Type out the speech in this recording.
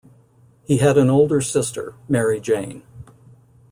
He had an older sister, Mary Jane.